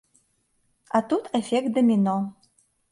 А тут эфект даміно.